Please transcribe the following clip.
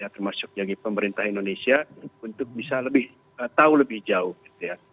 termasuk pemerintah indonesia untuk bisa tahu lebih jauh